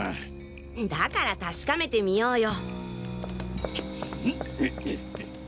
だから確かめてみようよ。